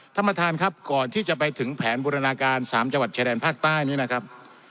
ท่านประธานครับก่อนที่จะไปถึงแผนบูรณาการ๓จังหวัดชายแดนภาคใต้นี้นะครับ